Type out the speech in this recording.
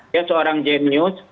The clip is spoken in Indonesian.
dia seorang genius